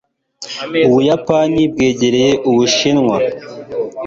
ubuyapani bwegereye ubushinwa